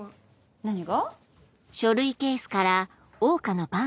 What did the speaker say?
何が？